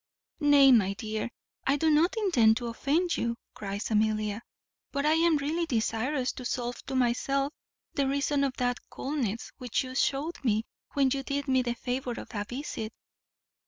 "Nay, my dear, I do not intend to offend you," cries Amelia, "but I am really desirous to solve to myself the reason of that coldness which you shewed me when you did me the favour of a visit.